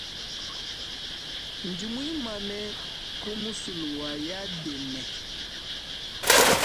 Ndi muimane ku musulu yadene.